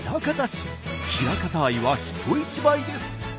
枚方愛は人一倍です。